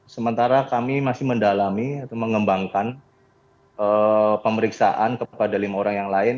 sementara kami masih mendalami atau mengembangkan pemeriksaan kepada lima orang yang lain